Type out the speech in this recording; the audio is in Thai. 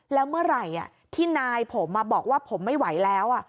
แล้วเมื่อไหร่ที่นายผมบอกว่าผมไม่ไหวแล้ว